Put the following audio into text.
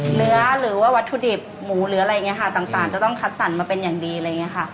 เนื้อหรือว่าวัตถุดิบหมูหรืออะไรอย่างนี้ค่ะต่างจะต้องคัดสรรมาเป็นอย่างดีอะไรอย่างนี้ค่ะ